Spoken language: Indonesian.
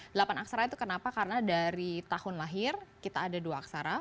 delapan aksara itu kenapa karena dari tahun lahir kita ada dua aksara